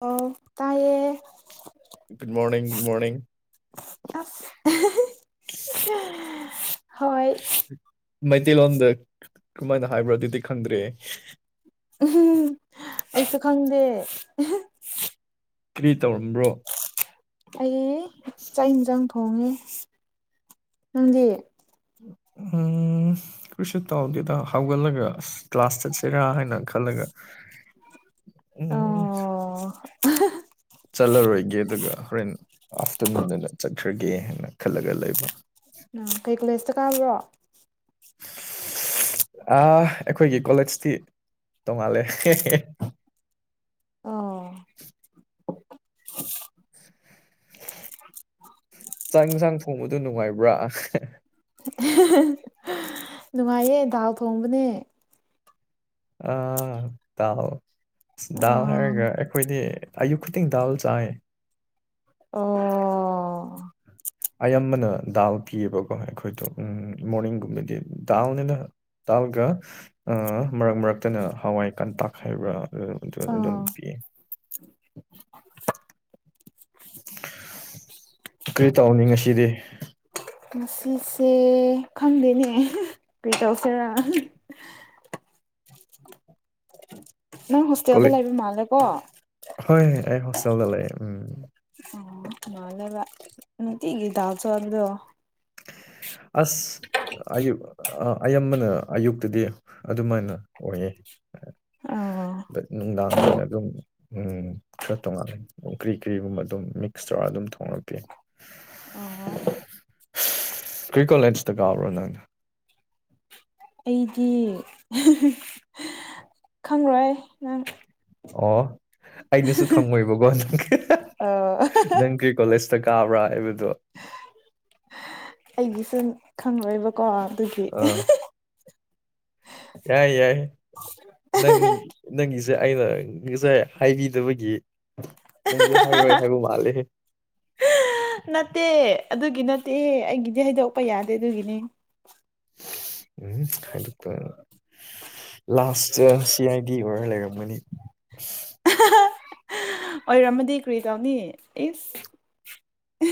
ꯑꯣ ꯇꯥꯏꯌꯦ good morning good morning ꯑ [inaudible] ꯃꯩꯇꯩꯂꯣꯟꯗ ꯀꯃꯥꯏꯅ ꯍꯥꯏꯕ꯭ꯔꯥ ꯑꯗꯨꯗꯤ ꯈꯪꯗ꯭ꯔꯦ ꯎ ꯑꯩꯁꯨ ꯈꯪꯗꯦ ꯀꯔꯤ ꯇꯧꯔꯝꯕ꯭ꯔꯣ ꯑꯩ ꯆꯥꯛ ꯏꯟꯁꯥꯡ ꯊꯣꯡꯉꯦ ꯅꯪꯗꯤ ꯎꯝ ꯀꯔꯤꯁꯨ ꯇꯥꯎꯗꯦꯗ ꯍꯥꯎꯒꯠꯂꯒ ꯑ ꯀ꯭ꯂꯥꯁ ꯆꯠꯁꯤꯔꯥ ꯍꯥꯏꯅ ꯈꯜꯂꯒ ꯎꯝ ꯑꯣ ꯆꯠꯂꯔꯣꯏꯒꯦ ꯑꯗꯨꯒ ꯍꯣꯔꯦꯟ ꯑꯥꯐꯇꯔꯅꯨꯟꯗꯅ ꯆꯠꯈ꯭ꯔ ꯀꯒꯦ ꯍꯥꯏꯅ ꯈꯜꯂꯒ ꯂꯩꯕ ꯑ ꯀꯩ ꯀꯣꯂꯦꯖꯇ ꯀꯥꯕ꯭ꯔꯣ ꯑ ꯑꯩꯈꯣꯏꯒꯤ ꯀꯣꯂꯦꯖꯇꯤ ꯇꯣꯡꯉꯥꯜꯂꯦ ꯑꯣ [unintelligible] ꯆꯥꯛ ꯏꯟꯁꯥꯡ ꯊꯣꯡꯕꯗꯣ ꯅꯨꯡꯉꯥꯏꯕ꯭ꯔꯥ ꯅꯨꯡꯉꯥꯏꯌꯦ ꯗꯥꯎ ꯊꯣꯡꯕꯅꯦ ꯑ ꯗꯥꯎ ꯑ ꯗꯥꯎ ꯍꯥꯏꯔꯒ ꯑꯩꯈꯣꯏꯗꯤ ꯑꯌꯨ ꯈꯨꯗꯤꯡ ꯗꯗꯥ ꯆꯥꯦ ꯑꯣ ꯑꯌꯥꯝꯕꯅ ꯗꯥꯜ ꯄꯤꯌꯦꯕꯀꯣ ꯑꯩꯈꯣꯏꯗꯣ ꯎꯝ ꯃꯣꯔꯅꯤꯡꯒꯨꯝꯕꯗꯤ ꯗꯥꯎꯜꯅꯤꯅ ꯇꯥꯜꯒ ꯑ ꯃꯔꯛ ꯃꯔꯔꯛ ꯅꯠꯇꯅ ꯍꯋꯥꯏ ꯀꯟꯇꯥꯛ ꯍꯥꯏꯕ꯭ꯔꯥ ꯑꯗꯨ ꯑꯣ ꯑꯗꯨꯝ ꯄꯤꯑ ꯀꯔꯤ ꯇꯧꯅꯤ ꯉꯁꯤꯗꯤ ꯉꯁꯤꯁꯦ ꯈꯪꯗꯣꯏꯅꯦ ꯀꯩ ꯇꯧꯁꯤꯔ ꯅꯪ ꯍꯣꯁꯇꯦꯜꯗ ꯂꯩꯕ ꯃꯥꯜꯂꯦꯀꯣ ꯍ ꯍ ꯑꯩ ꯍꯣꯁꯇꯦꯜꯗ ꯂꯩ ꯎꯝ ꯃꯥꯗꯕ ꯅꯨꯅꯨꯡꯠꯇꯤꯒꯤ ꯊ ꯆ ꯑꯗꯨꯗ ꯑꯁ ꯑꯌꯨ ꯑꯌꯥꯝꯕꯅ ꯑꯌꯨꯛꯇꯗꯤ ꯑꯗꯨꯃꯥꯏꯅ ꯑꯣꯏꯌꯦ ꯑꯣ ꯅꯨꯡꯗꯥꯡꯗꯅ ꯑꯗꯨꯝ ꯎꯝ ꯈꯔ ꯇꯣꯉꯥꯂꯦ ꯀꯔꯤ ꯀꯔꯤꯒꯨꯝꯕ ꯑꯗꯨꯝ ꯃꯤꯛꯁ ꯇꯧꯔꯒ ꯑꯗꯨꯝ ꯊꯣꯡꯉ ꯄ ꯑꯣ ꯀ꯭ꯔꯤ ꯀꯣꯂꯦꯟꯖꯇ ꯀꯥꯎꯕ꯭ꯔꯣ ꯅꯪꯅ ꯑꯩꯗꯤ ꯈꯪꯔꯣꯏ ꯅꯪ ꯑꯣ ꯑꯩꯅꯁꯨ ꯈꯪꯉꯣꯏꯕꯀꯣ ꯑ ꯅꯪ ꯀꯣꯂꯦꯖꯇ ꯀꯥꯕ꯭ꯔꯥ ꯍꯥꯏꯕꯗꯣ ꯑꯩꯒꯤ ꯁ ꯈꯪꯉꯣꯏꯕꯀꯣ ꯑꯗꯨꯒꯤ ꯑꯥ ꯌꯥꯏ ꯌꯥꯏ ꯅꯪ ꯅꯪꯁ ꯑꯏꯅ ꯉꯁꯥꯏ ꯍꯥꯏꯕꯤꯗꯕꯒꯤ ꯅꯪꯁꯨ ꯍꯥꯏꯔꯣꯏ ꯍꯥꯏꯕ ꯃꯥꯜꯂꯦ ꯅꯠꯇꯦ ꯑꯗꯨꯒꯤ ꯅꯠꯇꯦ ꯑꯩꯒꯤꯗꯤ ꯍꯩꯗꯣꯛꯄ ꯌꯥꯗꯦ ꯑꯗꯨꯒꯤꯅꯦ ꯎꯝ ꯍꯥꯏꯥꯏꯗꯣꯛꯄ ꯂꯥꯁꯇ ꯁꯤ ꯑꯥꯏ ꯗꯤ ꯑꯣꯏꯔ ꯂꯩꯔꯝꯒꯅꯤ ꯎ ꯑꯣꯏꯔꯝꯃꯗꯤ ꯀꯔꯤ ꯇꯧꯅꯤ ꯏꯁ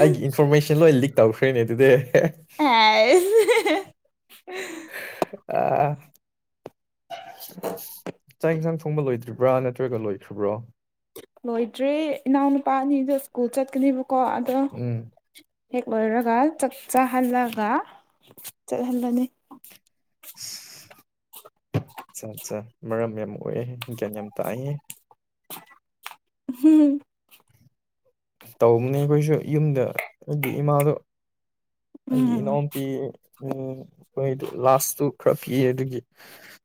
ꯑꯩꯒꯤ ꯏꯟꯐꯣꯔꯃꯦꯁꯟ ꯂꯣꯏ ꯂꯤꯛ ꯇꯧꯈ꯭ꯔꯅꯦ ꯑꯗꯨꯗꯤ ꯑꯦ ꯑ ꯆꯥꯛ ꯌꯦꯟꯁꯥꯡ ꯊꯣꯡꯕ ꯂꯣꯏꯗ꯭ꯔꯤꯕ꯭ꯔꯥ ꯅꯠꯇ꯭ꯔꯒ ꯂꯣꯏꯈ꯭ꯕ꯭ꯔꯣ ꯂꯣꯏꯗ꯭ꯔꯦ ꯏꯅꯥꯎꯅꯨꯄꯥ ꯑꯅꯤꯗ ꯁ꯭ꯀꯨꯜ ꯆꯠꯀꯅꯦꯕꯀꯣ ꯑꯗꯣ ꯎꯝ ꯍ ꯃꯔꯔꯔꯒ ꯆꯛꯆꯥ ꯍꯜꯂꯒ ꯆ ꯍꯜꯂꯅꯤ ꯑꯆꯥ ꯑꯠꯆꯥ ꯃꯔꯝ ꯌꯥꯝ ꯑꯣꯏꯑꯦ ꯒ꯭ꯌꯥꯟ ꯌꯥꯝ ꯇꯥꯛꯏꯌꯦ ꯍꯝ ꯇꯧꯕꯅꯦ ꯑꯩꯈꯣꯏꯁꯨ ꯌꯨꯝꯗ ꯑꯩꯒꯤ ꯏꯃꯥꯗꯣ ꯑꯩꯒꯤ ꯎꯝ ꯏꯅꯥꯎ ꯄꯤꯌꯦ ꯎꯝ ꯑꯩꯈꯣꯏꯗꯨ ꯂꯥꯁꯇꯨ ꯈꯔ ꯄꯤꯌꯦ ꯑꯗꯨꯒꯤ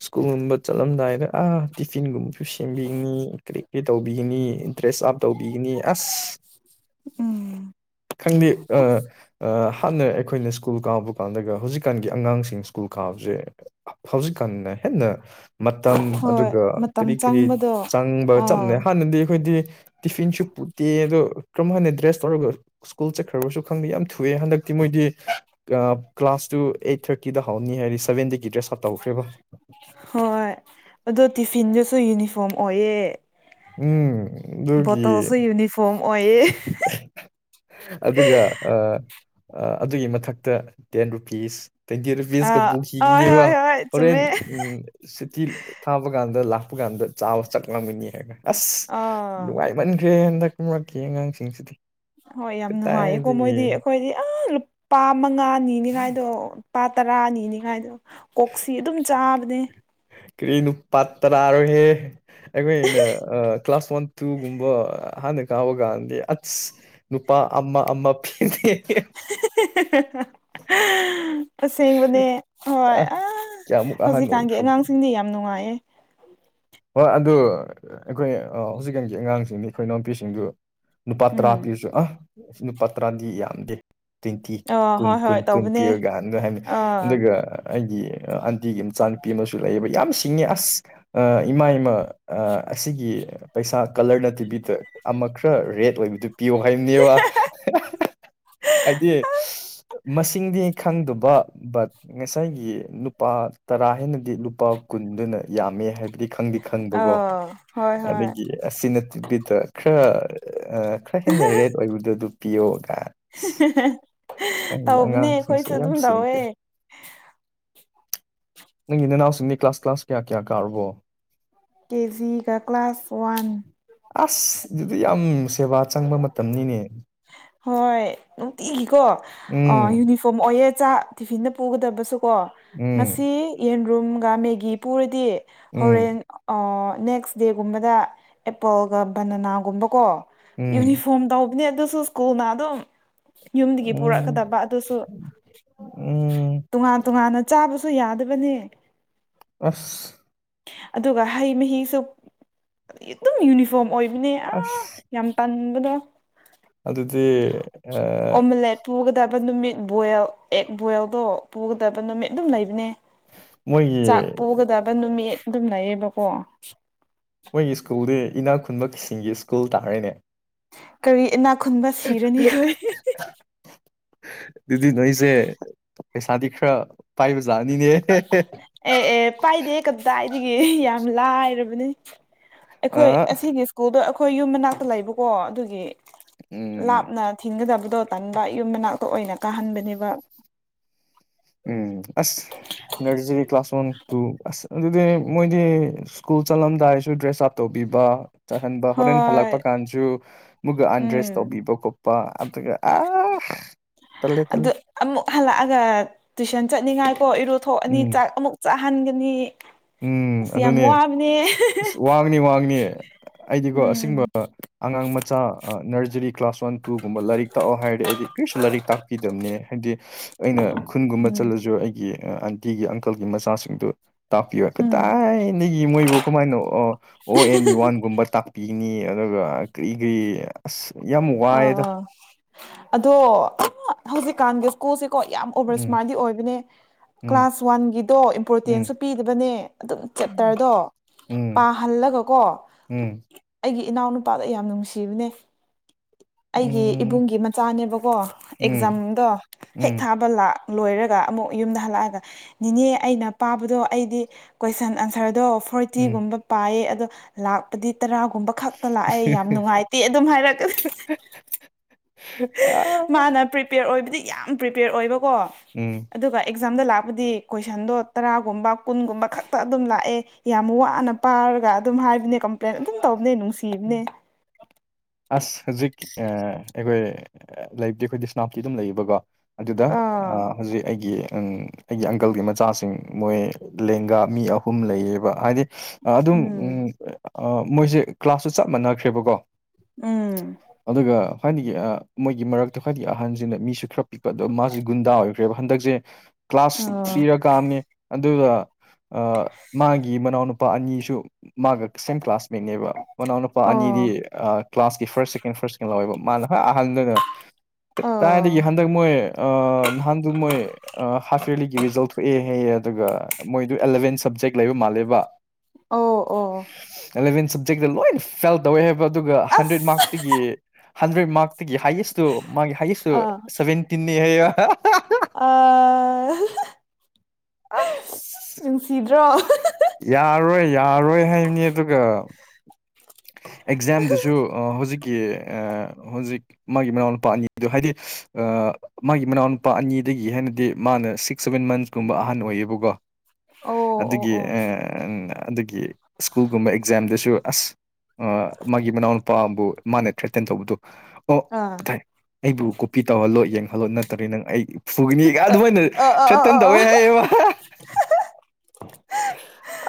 ꯁ꯭ꯀꯨꯜꯒꯨꯝꯕ ꯆꯠꯂꯝꯗꯥꯏꯗ ꯑꯥ ꯇꯤꯐꯤꯟꯒꯨꯝꯕꯁꯨ ꯁꯦꯝꯕꯤꯅꯤ ꯀꯔꯤ ꯄ ꯇꯧꯕꯤꯒꯅꯤ ꯏꯟꯇ꯭ꯔꯦꯁ ꯑꯞ ꯇꯧꯕꯤꯒꯅꯤ ꯑꯁ ꯎꯝ ꯈꯪꯗꯦ ꯑ ꯍꯥꯟꯅ ꯑꯩꯈꯣꯏꯅ ꯁ꯭ꯀꯨꯜ ꯀꯥꯕ ꯀꯥꯟꯗꯒ ꯍꯧꯖꯤꯛꯀꯥꯟꯒꯤ ꯑꯉꯥꯡꯁꯤꯡ ꯁ꯭ꯀꯨꯜ ꯀꯥꯕꯁꯦ ꯍꯧꯖꯤꯛꯀꯥꯟꯗ ꯍꯦꯟꯅ ꯃꯇꯝ ꯍꯣꯏ ꯑꯗꯨꯒ ꯃꯇꯝ ꯀꯔꯤ ꯀꯔꯤ ꯆꯪꯕꯗꯣ ꯆꯪꯕ ꯑꯥ ꯆꯞꯅꯩ ꯍꯥꯟꯅꯗꯤ ꯑꯩꯈꯣꯏꯗꯤ ꯇꯤꯐꯤꯟꯁꯨ ꯄꯨꯠꯇꯦ ꯑꯗꯣ ꯀꯔꯝ ꯍꯟꯅ ꯗ꯭ꯔꯦꯁ ꯇꯧꯔꯒ ꯁ꯭ꯀꯨꯜ ꯆꯠꯈ꯭ꯔꯕꯁꯨ ꯈꯪꯕ ꯌꯥꯝ ꯊꯨꯑꯦ ꯍꯟꯗꯛꯇꯤ ꯃꯣꯏꯗꯤ ꯀ꯭ꯂꯥꯁ ꯇꯨ ꯑꯩꯠ ꯊꯥꯔꯇꯤꯗ ꯍꯧꯅꯤ ꯍꯥꯏꯗꯤ ꯁꯚꯦꯟꯗꯒꯤ ꯗ꯭ꯔꯦꯁ ꯑꯥꯔꯠ ꯇꯧꯈ꯭ꯔꯦꯕ ꯍꯣꯏ ꯑꯗꯣ ꯇꯤꯐꯤꯟꯗꯁꯨ ꯌꯨꯅꯤꯐꯣꯔꯝ ꯑꯣꯏꯌꯦ ꯎꯝ ꯒꯤ ꯕꯣꯇꯜꯁꯨ ꯌꯨꯅꯤꯐꯣꯔꯝ ꯑꯣꯏꯌꯦ ꯑꯗꯨꯒ ꯑꯗꯨꯒꯤ ꯃꯊꯛꯇ ꯇꯦꯟ ꯔꯨꯄꯤꯁ ꯇ꯭ꯋꯦꯟꯇꯤ ꯔꯨꯄꯤꯁꯀ ꯑꯥ ꯍꯣꯏ ꯄꯨꯈꯤꯒꯅꯦꯕ ꯍꯣꯏ ꯍꯣꯏ ꯍꯣꯔꯦꯟ ꯆꯨꯝꯃꯦ ꯎ ꯁꯤꯇꯤ ꯊꯥꯕ ꯀꯥꯟꯗ ꯂꯥꯛꯄ ꯀꯥꯟꯗ ꯆꯥꯕ ꯆꯠꯂꯝꯝꯒꯅꯤ ꯍꯥꯏꯅ ꯑꯁ ꯑꯥ ꯅꯨꯡꯉꯥꯏꯃꯟꯈ꯭ꯔꯦ ꯍꯟꯗꯛ ꯈꯨꯝꯔꯛꯀꯦ ꯑꯉꯥꯡꯁꯤꯡꯁꯤꯗꯤ ꯍꯣꯏ ꯌꯥꯝ ꯅꯨꯡꯉꯥꯏꯌꯦꯀꯣ ꯀꯗꯥꯏꯗꯒꯤ ꯃꯣꯏꯗꯤ ꯑꯩꯈꯣꯏꯗꯤ ꯑ ꯄꯥ ꯃꯉꯥꯅꯤꯅꯤꯉꯥꯏꯗꯣ ꯄꯥ ꯇꯔꯥꯅꯤꯅꯤꯉꯥꯏꯗꯣ ꯀꯣꯛꯁꯤ ꯑꯗꯨꯝ ꯆꯥꯕꯅꯦ ꯀꯔꯤꯅꯨ ꯄꯠꯇ꯭ꯔꯥꯔ ꯍꯦ ꯑꯩꯈꯣꯏꯅ ꯀ꯭ꯂꯥꯁ ꯋꯥꯟ ꯇꯨꯒꯨꯝꯕ ꯍꯅ ꯒꯗ ꯑꯁ ꯅꯨꯄꯥ ꯑꯥ ꯑꯥ ꯄꯤ [unintelligible] ꯑꯁꯦꯡꯕꯅꯦ ꯍꯣꯏ ꯑꯁ ꯀꯌꯥꯃꯨꯛ ꯑꯍꯟ ꯍꯧꯖꯤꯛꯀꯥꯟꯒꯤ ꯑꯣꯏꯈ꯭ꯔꯕ ꯑꯉꯥꯡꯁꯤꯡꯗꯤ ꯌꯥꯝ ꯅꯨꯡꯉꯥꯏꯌꯦ ꯍꯣꯏ ꯑꯗꯨ ꯑꯩꯈꯣꯏ ꯍꯧꯖꯤꯛꯀꯥꯟꯒꯤ ꯑꯉꯥꯡꯁꯤꯡꯅꯤ ꯑꯩꯈꯣꯏ ꯏꯅꯥꯎꯄꯤꯁꯤꯡꯗꯨ ꯅꯨꯄꯥ ꯇꯔꯥ ꯎꯝ ꯄꯤꯁꯨ ꯑ ꯑꯁ ꯅꯨꯄꯥ ꯇꯔꯥꯗꯤ ꯌꯥꯝꯗꯦ ꯇ꯭ꯤꯟꯇꯤ ꯑꯥ ꯀꯨꯟ ꯍꯣꯏ ꯀꯨꯟ ꯍꯣꯏ ꯀꯨꯟ ꯇꯧꯕꯅꯦ ꯄꯤꯌꯒ ꯍꯥꯟꯅ ꯍꯅꯤ ꯑꯥ ꯑꯗꯨꯒ ꯑꯩꯒꯤ ꯑꯟꯇꯤꯒꯤ ꯃꯆꯥꯅꯨꯄꯤ ꯑꯃꯁꯨ ꯂꯩꯌꯦꯕ ꯌꯥꯝ ꯁꯤꯡꯉꯦ ꯑꯁ ꯏꯃꯥ ꯏꯃ ꯑꯁꯤꯒꯤ ꯄꯩꯁꯥ ꯀꯂꯔ ꯅꯠꯇꯦꯕꯤꯗ ꯑꯃ ꯈꯔ ꯔꯦꯠ ꯑꯣꯏꯕꯗꯨ ꯄꯤꯌꯣ ꯍꯥꯏꯕꯅꯦꯕ ꯍꯥꯏꯗꯤ ꯃꯁꯤꯡꯗꯤ ꯈꯪꯗꯕ ꯕꯠ ꯉꯁꯥꯏꯒꯤ ꯅꯨꯄꯥ ꯇꯔꯥ ꯍꯥꯏꯅꯗꯤ ꯂꯨꯄꯥ ꯀꯨꯟꯗꯨꯅ ꯌꯥꯝꯃꯦ ꯍꯥꯏꯕꯗꯤ ꯈꯪꯗꯤ ꯈꯪꯕꯒꯣ ꯑꯥ ꯍꯣꯏ ꯍꯣꯏ ꯑꯗꯒꯤ ꯑꯁꯤ ꯅꯠꯇꯕꯤꯗ ꯈꯔ ꯈꯔ ꯍꯦꯟꯅ ꯔꯦꯠ ꯑꯣꯏꯕꯗꯣ ꯑꯗꯨ ꯎ ꯄꯌꯣꯒ [unintelligible] ꯑꯩ ꯇꯧꯕꯅꯦ ꯑꯉꯥꯡꯁꯤꯡꯁꯦ ꯑꯩꯈꯣꯏꯁꯨ ꯌꯥꯝ ꯑꯗꯨꯝ ꯇꯧꯋꯦ ꯁꯤꯗ꯭ꯔꯤ ꯅꯪ ꯏ ꯅꯅꯥꯎꯁꯤꯡꯗꯤ ꯀ꯭ꯂꯥꯁ ꯀ꯭ꯂꯥꯁ ꯀꯌꯥ ꯀꯌꯥ ꯀꯥꯔꯨꯔꯕꯣ ꯀꯦꯖꯤꯒ ꯀ꯭ꯂꯥꯁ ꯋꯥꯟ ꯑꯁ ꯑꯗꯨꯗꯤ ꯌꯥꯝ ꯁꯦꯕꯥ ꯆꯪꯕ ꯃꯇꯝꯅꯤꯅꯦ ꯍꯣꯏ ꯅꯨꯡꯇꯤꯒꯤꯀꯣ ꯎꯝ ꯌꯨꯅꯤꯐꯣꯔꯝ ꯑꯣꯏꯌꯦ ꯆꯥꯛ ꯇꯤꯐꯤꯤꯟꯗ ꯄꯨꯒꯗꯕꯁꯨꯀꯣ ꯎꯝ ꯉꯁꯤ ꯌꯦꯟꯔꯨꯝꯒ ꯃꯦꯒꯤ ꯄꯨꯔꯗꯤ ꯎꯝ ꯍꯣꯔꯦꯟ ꯅꯦꯛꯁ ꯗꯦꯒꯨꯝꯕꯗ ꯑꯦꯄꯜꯒ ꯕꯅꯅꯥꯒꯨꯝꯕꯀꯣ ꯎꯝ ꯌꯨꯅꯤꯐꯣꯔꯝ ꯇꯧꯕꯅꯦ ꯑꯗꯨꯁꯨ ꯁ꯭ꯀꯨꯜꯅ ꯑꯗꯨꯝ ꯌꯨꯝꯗꯒꯤ ꯎꯝ ꯄꯨꯔꯛꯀꯗꯕ ꯑꯗꯨꯁꯨ ꯎꯝ ꯇꯣꯉꯥꯟ ꯇꯣꯉꯥꯟꯅ ꯆꯥꯕꯁꯨ ꯌꯥꯗꯕꯅꯦ ꯑꯁ ꯑꯗꯨꯒ ꯍꯩ ꯃꯍꯤꯁꯨ ꯑꯗꯨꯝ ꯌꯨꯅꯤꯐꯣꯔꯝ ꯑꯣꯏꯕꯅꯦ ꯑꯥ ꯑꯁ ꯌꯥꯝ ꯄꯥꯟꯕꯗꯣ ꯑꯗꯨꯗꯗꯤ ꯑꯣꯝꯂꯦꯠ ꯄꯨꯒꯗꯕ ꯅꯨꯃꯤꯠ ꯕꯜ ꯑꯦꯛ ꯕꯜꯗꯣ ꯄꯨꯒꯗꯕ ꯅꯨꯃꯤꯠ ꯑꯗꯨꯝ ꯂꯩꯕꯅꯦ ꯃꯣꯏꯒꯤ ꯆꯥꯛ ꯄꯨꯒꯗꯕ ꯅꯨꯃꯤꯠ ꯑꯗꯨꯝ ꯂꯩꯌꯦꯕꯀꯣ ꯃꯣꯏꯒꯤ ꯁ꯭ꯀꯨꯜꯗꯤ ꯏꯅꯥꯛ ꯈꯨꯟꯕ ꯀꯁꯤꯡꯒꯤ ꯁ꯭ꯀꯨꯜ ꯇꯥꯔꯦꯅꯦ ꯀꯔꯤ ꯏꯅꯥꯛ ꯈꯨꯨꯟꯕ ꯁꯤꯔꯅꯤ ꯀꯣꯏ ꯑꯗꯨꯗꯤ ꯅꯣꯏꯁꯦ ꯄꯩꯁꯥꯗꯤ ꯈꯔ ꯄꯥꯏꯕꯖꯥꯠꯅꯤꯅꯦ ꯎ ꯑꯦ ꯑꯦ ꯄꯥꯏꯗꯦ ꯀꯝꯗꯥꯏꯗꯒꯤ ꯌꯥꯝ ꯂꯥꯏꯔꯕꯅꯤ ꯑ ꯑꯩꯈꯣꯏ ꯑꯁꯤꯒꯤ ꯁ꯭ꯀꯨꯜꯗꯣ ꯑꯩꯈꯣꯏ ꯌꯨꯝ ꯃꯅꯥꯛꯇ ꯂꯩꯕꯀꯣ ꯑꯗꯨꯒꯤ ꯎꯝ ꯂꯥꯞꯅ ꯊꯤꯟꯒꯗꯕꯗꯣ ꯇꯟꯕ ꯌꯨꯝ ꯃꯅꯥꯛꯇ ꯑꯣꯏꯅ ꯀꯥꯍꯟꯕꯅꯦꯕ ꯎꯝ ꯑꯁ ꯅꯔꯖꯔꯤ ꯀ꯭ꯂꯥꯁ ꯋꯥꯟ ꯇꯨ ꯑꯁ ꯑꯗꯨꯗꯤ ꯃꯣꯏꯗꯤ ꯁ꯭ꯀꯨꯜ ꯆꯠꯂꯝꯗꯥꯏꯁꯨ ꯗ꯭ꯔꯦꯁ ꯑꯞ ꯇꯧꯕꯤꯕ ꯆꯠꯍꯟꯕ ꯍꯣꯔꯦꯟ ꯍꯣꯏ ꯍꯜꯂꯛꯄ ꯀꯥꯟꯁꯨ ꯃꯨꯒ ꯑꯟꯗ꯭ꯔꯦꯁ ꯎꯝ ꯇꯧꯕꯤꯕ ꯈꯣꯠꯄ ꯑꯗꯨꯒ ꯑ ꯇꯂꯦ ꯇꯂꯦ ꯑꯗꯨ ꯑꯃꯨꯛ ꯍꯜꯂꯛꯑꯒ ꯇꯨꯏꯁꯟ ꯆꯠꯅꯤꯡꯉꯥꯏꯀꯣ ꯏꯔꯨꯊꯣꯛꯑꯅꯤ ꯎꯝ ꯆꯥꯛ ꯑꯃꯨꯛ ꯆꯥꯍꯟꯒꯅꯤ ꯎꯝ ꯑꯁ ꯌꯥꯝ ꯑꯗꯨꯅꯦ ꯋꯥꯕꯅꯦ ꯑꯁ ꯋꯥꯡꯅꯤ ꯋꯥꯡꯅꯤ ꯑꯩꯗꯤꯀꯣ ꯑꯁꯦꯡꯕ ꯎꯝ ꯑꯉꯥꯡ ꯃꯆꯥ ꯅꯔꯖꯔꯤ ꯀ꯭ꯂꯥꯁ ꯋꯥꯟ ꯇꯨꯒꯨꯝꯕ ꯂꯥꯏꯔꯤꯛ ꯇꯥꯛꯑꯣ ꯍꯥꯏꯔꯗꯤ ꯑꯩꯗꯤ ꯀꯔꯤꯁꯨ ꯂꯥꯏꯔꯤꯛ ꯇꯥꯛꯄꯤꯗꯕꯅꯦ ꯍꯥꯏꯗꯤ ꯑꯩꯅ ꯈꯨꯟꯒꯨꯝꯕ ꯎꯝ ꯆꯠꯂꯁꯨ ꯑꯩꯒꯤ ꯑꯟꯇꯤꯒꯤ ꯑꯪꯀꯜꯒꯤ ꯃꯆꯥꯁꯤꯡꯗꯨ ꯇꯥꯛꯄꯤꯌꯨ ꯎꯝ ꯀꯗꯥꯏꯅꯤꯒꯤ ꯃꯣꯏꯕꯨ ꯀꯃꯥꯏꯅꯣ ꯑꯣ ꯑꯦꯟ ꯋꯥꯟꯒꯨꯝꯕ ꯇꯥꯛꯄꯤ ꯏꯉꯤ ꯑꯗꯨꯒ ꯀꯔꯤ ꯀꯔꯤ ꯑꯁ ꯌꯦꯃꯨ ꯑꯥ ꯑꯥ ꯑꯗꯣ ꯍꯧꯖꯤꯛꯀꯥꯟꯒꯤ ꯁ꯭ꯀꯨꯜꯁꯦꯀꯣ ꯌꯥꯝ ꯑꯣꯕꯔ ꯎꯝ ꯁꯨꯃꯥꯏꯗꯤ ꯑꯣꯏꯕꯅꯦ ꯎꯝ ꯀ꯭ꯂꯥꯁ ꯋꯥꯟꯒꯤꯗꯣ ꯎꯝ ꯏꯝꯄꯣꯔꯇꯦꯟꯁꯨ ꯄꯤꯗꯕꯅꯦ ꯑꯗꯨꯝ ꯆꯦꯞꯇꯔꯗꯣ ꯎꯝ ꯄꯥꯍꯜꯂꯒꯀꯣ ꯎꯝ ꯑꯩꯒꯤ ꯏꯅꯥꯎꯅꯨꯄꯥꯗ ꯌꯥꯝ ꯅꯨꯡꯁꯤꯕꯅꯦ ꯑꯩꯒꯤ ꯎꯝ ꯏꯕꯨꯡꯒꯤ ꯃꯆꯥꯅꯦꯕꯀꯣ ꯎꯝ ꯑꯦꯛꯖꯥꯝꯗꯣ ꯍꯦꯛ ꯎꯝ ꯊꯥꯕ ꯂꯥꯛ ꯂꯣꯏꯔꯒ ꯑꯃꯨꯛ ꯌꯨꯝꯗ ꯍꯜꯂꯛꯑꯒ ꯅꯤꯅꯦ ꯑꯩꯅ ꯄꯥꯕꯗꯣ ꯑꯩꯗꯤ ꯀꯣꯏꯁꯟ ꯑꯟꯁꯔꯗꯣ ꯎꯝ ꯐꯣꯔꯇꯤꯒꯨꯝꯕ ꯄꯥꯏꯌꯦ ꯑꯗꯣ ꯂꯥꯛꯄꯗꯤ ꯇꯔꯥꯒꯨꯝꯕ ꯈꯛꯇ ꯂꯥꯛꯑꯦ ꯌꯥꯝ ꯅꯨꯡꯉꯥꯏꯇꯦ ꯑꯗꯨꯝ ꯍꯥꯏꯔꯒ ꯑ ꯃꯥꯅ ꯄ꯭ꯔꯤꯄꯦꯌꯔ ꯑꯣꯏꯕꯗꯤ ꯌꯥꯝ ꯄ꯭ꯔꯤꯄꯦꯌꯔ ꯑꯣꯏꯕꯀꯣ ꯎꯝ ꯑꯗꯨꯒ ꯑꯦꯛꯖꯥꯝꯗ ꯂꯥꯛꯄꯗꯤ ꯀꯣꯏꯁꯟꯗꯣ ꯇꯔꯥꯒꯨꯝꯕ ꯀꯨꯟꯒꯨꯝꯕ ꯈꯛꯇ ꯑꯗꯨꯝ ꯂꯥꯛꯑꯦ ꯌꯥꯝ ꯋꯥꯅ ꯄꯥꯔꯒ ꯑꯗꯨꯝ ꯍꯥꯏꯕꯅꯦ ꯀꯝꯄ꯭ꯂꯦꯟ ꯑꯗꯨꯝ ꯇꯧꯕꯅꯦ ꯅꯨꯡꯁꯤꯕꯅꯦ ꯑꯁ ꯍꯧꯖꯤꯛ ꯑꯩꯈꯣꯏ ꯂꯩꯕꯇꯗꯤ ꯑꯩꯈꯣꯏ ꯁꯅꯥꯞꯇꯤ ꯑꯗꯨꯝ ꯂꯩꯌꯦꯕꯀꯣ ꯑꯗꯨꯗ ꯑꯥ ꯍꯧꯖꯤꯛ ꯑꯩꯒꯤ ꯑꯩꯒꯤ ꯑꯪꯀꯜꯒꯤ ꯃꯆꯥꯁꯤꯡ ꯃꯣꯏ ꯂꯦꯡꯒꯥ ꯃꯤ ꯑꯍꯨꯝ ꯂꯩꯌꯦꯕ ꯍꯥꯏꯗꯤ ꯑꯗꯨꯝ ꯎꯝ ꯃꯣꯏꯁꯦ ꯀ꯭ꯂꯥꯁꯁꯨ ꯆꯞ ꯃꯥꯟꯅꯈ꯭ꯔꯦꯕꯀꯣ ꯎꯝ ꯑꯗꯨꯒ ꯈ꯭ꯋꯥꯏꯗꯤꯗꯒꯤ ꯃꯣꯏꯒꯤ ꯃꯔꯛꯇ ꯈ꯭ꯋꯥꯏꯒꯤ ꯑꯍꯟꯁꯤꯅ ꯃꯤꯁꯨ ꯈꯔ ꯄꯤꯛꯄ ꯑꯣ ꯃꯥꯁ ꯒꯨꯟꯗꯥ ꯑꯣꯏ ꯈ꯭ꯔꯦꯕ ꯍꯟꯗꯛꯁꯦ ꯀ꯭ꯂꯥꯁ ꯑꯥ ꯊ꯭ꯔꯤꯔ ꯀꯥꯑꯝꯃꯤ ꯑꯗꯨꯗ ꯃꯥꯒꯤ ꯃꯅꯥꯎꯅꯨꯄꯥ ꯑꯅꯤꯁꯨ ꯃꯥꯒ ꯁꯦꯝ ꯀ꯭ꯂꯥꯁꯃꯦꯠꯅꯦꯕ ꯃꯅꯥꯎꯅꯨꯄꯥ ꯑꯅꯤꯗꯤ ꯑꯣ ꯀ꯭ꯂꯥꯁꯀꯤ ꯐꯥꯔꯁ ꯁꯦꯀꯦꯟ ꯐꯥꯔꯁꯀꯦꯟ ꯂꯧꯋꯦꯕ ꯃꯥꯅ ꯍ ꯑꯍꯥꯟꯕꯗꯨꯅ ꯀꯥꯏꯗꯒꯤ ꯑꯥ ꯍꯟꯗꯛ ꯃꯣꯏ ꯅꯍꯥꯟꯗꯨ ꯃꯣꯏ ꯍꯥꯐ ꯌꯔꯂꯤꯒꯤ ꯔꯤꯖꯜ ꯊꯣꯛꯑꯦ ꯍꯦꯛꯑ ꯑꯗꯨꯒ ꯃꯣꯏꯗꯨ ꯑꯦꯂꯚꯦꯟ ꯁꯞꯖꯦꯛ ꯂꯩꯕ ꯃꯥꯜꯂꯦꯕ ꯑꯣ ꯑꯣ ꯑꯦꯂꯚꯦꯟ ꯁꯕꯖꯦꯛꯇ ꯂꯣꯏꯅ ꯐꯦꯜ ꯇꯧꯋꯦ ꯍꯥꯏꯕ ꯑꯗꯨꯒ ꯍꯟꯗ꯭ꯔꯦꯗ ꯑꯁ ꯃꯥꯔꯛꯇꯒꯤ ꯍꯟꯗ꯭ꯔꯦꯗ ꯃꯥꯔꯛꯇꯒꯤ ꯍꯥꯏꯌꯦꯁꯇꯨ ꯃꯥꯒꯤ ꯍꯥꯏꯌꯦꯁꯇꯨ ꯑꯥ ꯁꯕꯦꯟꯇꯤꯦ ꯍꯥꯏꯌꯦ ꯑꯥ ꯑ ꯅꯨꯡꯁꯤꯗ꯭ꯔꯣ ꯌꯥꯔꯣꯏ ꯌꯥꯔꯣꯏ ꯍꯥꯏꯕꯅꯤ ꯑꯗꯨꯒ ꯑꯦꯛꯖꯥꯝꯗꯁꯨ ꯍꯧꯖꯤꯛꯀꯤ ꯍꯧꯖꯤꯛ ꯃꯥꯒꯤ ꯃꯅꯥꯎꯅꯨꯄꯥ ꯑꯅꯤꯗꯨ ꯍꯥꯏꯗꯤ ꯃꯥꯒꯤ ꯃꯅꯥꯎꯅꯨꯄꯥ ꯑꯅꯤꯗꯒꯤ ꯍꯦꯟꯅꯗꯤ ꯃꯥꯅ ꯁꯤꯛꯁ ꯁꯚꯦꯟ ꯃꯟꯁꯀꯨꯝꯕ ꯑꯍꯟ ꯑꯣꯏꯌꯦꯕꯀꯣ ꯑꯣ ꯑꯣ ꯑꯗꯨꯒꯤ ꯑꯣ ꯑꯦ ꯑꯪ ꯑꯗꯨꯒꯤ ꯁ꯭ꯀꯨꯜꯒꯨꯝꯕ ꯑꯦꯛꯖꯥꯝꯗꯁꯨ ꯑꯁ ꯑ ꯃꯥꯒꯤ ꯃꯅꯥꯎꯅꯨꯄꯥ ꯑꯝꯕꯨ ꯃꯥꯅ ꯊ꯭ꯔꯦꯇꯟ ꯇꯧꯕꯗꯨ ꯑꯣ ꯑꯥ ꯊꯩ ꯑꯩꯕꯨ ꯀꯣꯄꯤ ꯇꯧꯍꯜꯂꯣ ꯌꯦꯡꯍꯜꯂꯣ ꯅꯠꯇ꯭ꯔꯗꯤ ꯅꯪ ꯑꯩ ꯐꯨꯒꯅꯤꯒ ꯑ ꯑꯗꯨꯃꯥꯏꯅ ꯑ ꯑ ꯑ ꯑ ꯊꯔꯦꯇꯟ ꯑ ꯇꯧꯑꯦ ꯍꯥꯏꯌꯦꯕ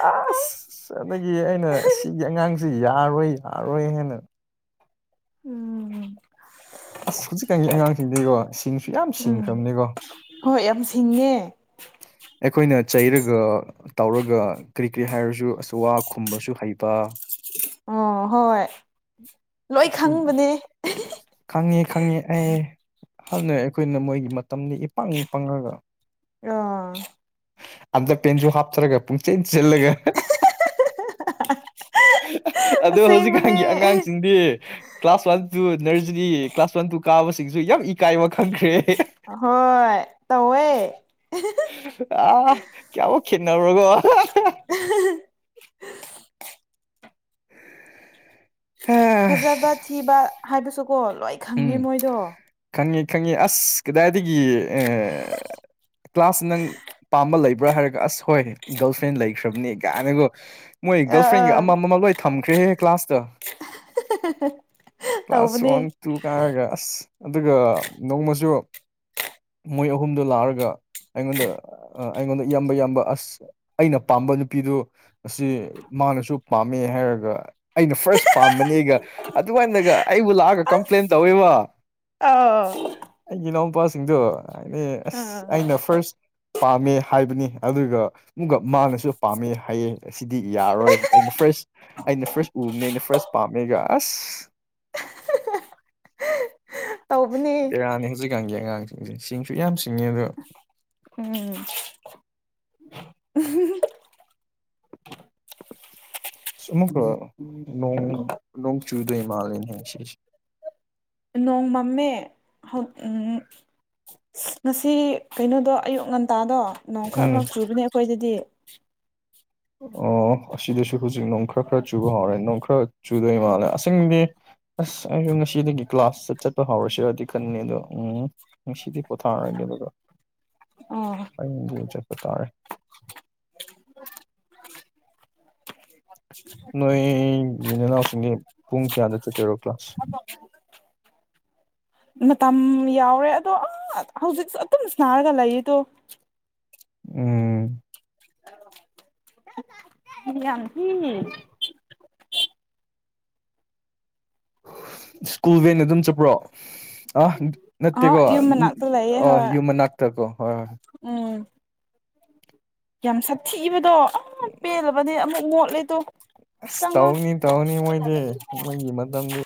ꯑꯁ ꯑꯗꯒꯤ ꯑꯩꯅ ꯁꯤꯒꯤ ꯑꯉꯥꯡꯁ ꯆꯤ ꯌꯥꯔꯣꯏ ꯌꯥꯔꯣꯏ ꯍꯥꯏꯅ ꯎꯝ ꯑꯁ ꯍꯧꯖꯤꯛꯀꯥꯟꯒꯤ ꯑꯉꯥꯡꯁꯤꯡꯗꯤꯀꯣ ꯁꯤꯡꯁꯨ ꯌꯥꯝ ꯎꯝ ꯁꯤꯡꯈ꯭ꯔꯕꯅꯤꯀꯣ ꯍꯣꯏ ꯌꯥꯝ ꯁꯤꯡꯉꯦ ꯑꯩꯈꯣꯏꯅ ꯆꯩꯔꯒ ꯇꯧꯔꯒ ꯀꯔꯤ ꯀꯔꯤ ꯍꯥꯏꯔꯁꯨ ꯑꯁ ꯋꯥ ꯈꯨꯝꯕꯁꯨ ꯍꯩꯕ ꯑꯣ ꯍꯣꯏ ꯂꯣꯏ ꯈꯪꯕꯅꯦ ꯈꯪꯉꯤ ꯈꯪꯉꯤ ꯑꯩ ꯍꯥꯟꯅꯩ ꯑꯩꯈꯣꯏꯅ ꯃꯣꯏꯒꯤ ꯃꯇꯝꯗꯤ ꯏ ꯄꯪ ꯄꯪꯔꯒ ꯑꯥ ꯑꯟꯗꯔ ꯄꯦꯟꯁꯨ ꯍꯥꯞꯆꯔꯒ ꯄꯨꯡꯆꯦꯟ ꯆꯦꯜꯂꯒ ꯑꯗꯣ ꯑꯁꯦꯡꯕꯅꯦ ꯍꯧꯖꯤꯛꯀꯥꯟꯒꯤ ꯑꯉꯥꯡꯁꯤꯡꯗꯤ class one two nursery class one two ꯀꯥꯕꯁꯤꯡꯁꯨ ꯌꯥꯝ ꯏꯀꯥꯏꯕ ꯈꯪꯈ꯭ꯔꯦ ꯑꯍꯣꯏ ꯇꯧꯑꯦ ꯑꯥ ꯀꯌꯥꯃꯨꯛ ꯈꯦꯠꯅꯔꯨꯔꯣꯒꯣ ꯐꯖꯕ ꯊꯤꯕ ꯍꯥꯏꯕꯁꯨꯀꯣ ꯂꯣꯏ ꯈꯪꯉꯦ ꯃꯣꯏꯗꯣ ꯈꯪꯉꯤ ꯈꯪꯉꯤ ꯑꯁ ꯀꯗꯥꯏꯗꯒꯤ ꯑ ꯀ꯭ꯂꯥꯁ ꯅꯪ ꯄꯥꯝꯕ ꯂꯩꯕ꯭ꯔꯥ ꯍꯥꯏꯔꯒ ꯑꯁ ꯍꯣꯏ ꯒꯔꯜ ꯐ꯭ꯔꯦꯟ ꯂꯩꯈ꯭ꯔꯕꯅꯤ ꯀꯥꯏꯅꯒꯣ ꯃꯣꯏ ꯑ ꯒꯔꯜꯐ꯭ꯔꯦꯟꯒ ꯑꯥ ꯑꯃ ꯑꯃꯃ ꯂꯣꯏ ꯊꯝꯈ꯭ꯔꯦꯍꯦ ꯀ꯭ꯂꯥꯁꯇ ꯀ꯭ꯂꯥꯁ ꯋꯥꯟ ꯇꯧꯕꯅꯦ ꯇꯨ ꯀꯥꯔꯒ ꯑꯁ ꯑꯗꯨꯒ ꯅꯣꯡꯃꯁꯨ ꯃꯣꯏ ꯑꯍꯨꯝꯗꯣ ꯂꯥꯛꯑꯒ ꯑꯩꯉꯣꯟꯗ ꯑꯩꯉꯣꯟꯗ ꯏꯌꯥꯝꯕ ꯌꯥꯝꯕ ꯑꯁ ꯑꯩꯅ ꯄꯥꯝꯕ ꯅꯨꯄꯤꯗꯨ ꯑꯁꯤ ꯃꯥꯅꯁꯨ ꯄꯥꯝꯃꯦ ꯍꯥꯏꯔꯒ ꯑꯩꯅ ꯐꯥꯔꯁ ꯄꯥꯝꯕꯅꯦꯒ ꯑꯗꯨ ꯃꯥꯏꯅꯒ ꯑꯩꯕꯨ ꯂꯥꯛꯑꯒ ꯀꯝꯄ꯭ꯂꯦꯟ ꯇꯧꯋꯦꯕ ꯑꯥꯎ ꯑꯩꯒꯤ ꯏꯅꯥꯎꯄꯥꯁꯤꯡꯗꯣ ꯍꯥꯏꯗꯤ ꯑꯁ ꯑꯥ ꯑꯩꯅ ꯐꯥꯔꯁ ꯄꯥꯝꯃꯦ ꯍꯥꯏꯕꯅꯤ ꯑꯗꯨꯒ ꯨꯃꯨꯒ ꯃꯥꯅꯁꯨ ꯄꯥꯝꯃꯦ ꯍꯥꯏꯌꯦ ꯑꯁꯤꯗꯤ ꯌꯥꯔꯔꯣꯏ ꯑꯩꯅ ꯐ꯭ꯔꯁ ꯑꯩꯅ ꯐ꯭ꯔꯥꯁ ꯎꯕꯅꯦ ꯑꯩꯅ ꯐ꯭ꯔꯥꯁ ꯄꯥꯝꯃꯦꯒ ꯑꯁ ꯇꯧꯕꯅꯦ ꯕꯦꯔꯥꯅꯤ ꯍꯧꯖꯤꯛꯀꯥꯟꯒꯤ ꯑꯉꯥꯡꯁꯤꯡꯁꯦ ꯁꯤꯡꯁꯨ ꯌꯥꯝ ꯁꯤꯡꯉꯦ ꯑꯗꯣ ꯎꯝ ꯎꯝ ꯍꯝ ꯍꯝ ꯁ ꯑꯃꯨꯛꯀ ꯅꯣꯡ ꯅꯣꯡ ꯆꯨꯗꯣꯏ ꯃꯥꯂꯦꯅꯦ ꯉꯥꯁꯤꯁꯦ ꯅꯣꯡ ꯃꯝꯃꯦ ꯍꯧ ꯎꯝ ꯉꯁꯤ ꯀꯩꯅꯣꯗꯣ ꯑꯌꯨꯛ ꯉꯟꯇꯥꯗꯣ ꯅꯣꯡ ꯈꯔ ꯎꯝ ꯈꯛ ꯆꯨꯕꯅꯦ ꯑꯩꯈꯣꯏꯗꯗꯤ ꯑꯣ ꯑꯁꯤꯗꯁꯨ ꯍꯧꯖꯤꯛ ꯅꯣꯡ ꯈꯔ ꯈꯔ ꯆꯨꯕ ꯍꯧꯔꯦ ꯅꯣꯡ ꯈꯔ ꯆꯨꯗꯣꯏ ꯃꯥꯜꯂꯦ ꯑꯁꯤꯡꯗꯤ ꯑꯁ ꯑꯩꯁꯨ ꯉꯁꯤꯗꯒꯤ ꯀ꯭ꯂꯥꯁ ꯁꯦ ꯆꯠꯄ ꯍꯧꯔꯁꯤꯔꯗꯤ ꯈꯟꯅꯤ ꯑꯗꯣ ꯎꯝ ꯉꯁꯤꯗꯤ ꯄꯣꯊꯥꯔꯒꯦ ꯑꯗꯨꯒ ꯑꯣ ꯑꯩꯌꯦꯡꯗꯩ ꯑꯣꯏ ꯆꯠꯄ ꯇꯥꯔꯦ ꯅꯣꯏꯒꯤ ꯅꯅꯥꯎꯁꯤꯡꯗꯤ ꯄꯨꯡ ꯀꯌꯥꯗ ꯆꯠꯇꯣꯏꯔꯣ ꯀ꯭ꯂꯥꯁ [inaudible] ꯃꯇꯝ ꯌꯥꯎꯔꯦ ꯑꯗꯣ ꯑ ꯍꯧꯖꯤꯛꯁꯨ ꯑꯗꯨꯝ ꯁꯅꯥꯔꯒ ꯂꯩꯌꯦꯗꯣ ꯎꯝ ꯍ ꯌꯥꯝꯁꯤ ꯁ꯭ꯀꯨꯜ ꯚꯦꯟ ꯑꯗꯨꯝ ꯆꯠꯄ꯭ꯔꯣ ꯑ ꯑ ꯅꯠꯇꯦꯀꯣ ꯌꯨꯝ ꯃꯅꯥꯛꯇ ꯂꯩꯌꯦ ꯑ ꯍꯣꯏ ꯌꯨꯝ ꯃꯅꯥꯛꯇꯀꯣ ꯍꯣꯏ ꯍꯣꯏ ꯎꯝ [inaudible] ꯌꯥꯝ ꯁꯥꯊꯤꯕꯗꯣ ꯄꯦꯜꯂꯕꯅꯦ ꯑꯃꯨꯛ ꯃꯣꯠꯂꯦꯗꯣ ꯑꯁ ꯆꯪꯉꯣ ꯇꯧꯅꯤ ꯇꯧꯅꯤ ꯃꯣꯏꯗꯤ ꯃꯣꯏꯒꯤ ꯃꯇꯝꯗꯤ